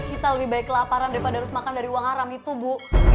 kita lebih baik kelaparan daripada harus makan dari uang haram itu bu